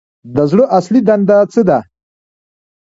د زړه اصلي دنده څه ده